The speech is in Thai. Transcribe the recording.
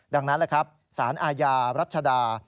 ดังนั้นสารอาญารัชดา